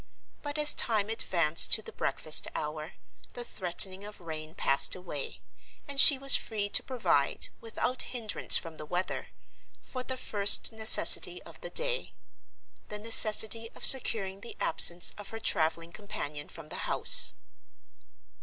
But as time advanced to the breakfast hour the threatening of rain passed away; and she was free to provide, without hinderance from the weather, for the first necessity of the day—the necessity of securing the absence of her traveling companion from the house.